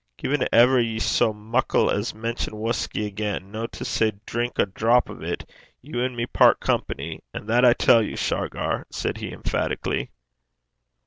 'Gin ever ye sae muckle as mention whusky again, no to say drink ae drap o' 't, you and me pairt company, and that I tell you, Shargar,' said he, emphatically.